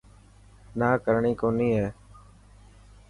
نا ڪرڻي ڪونهي هي.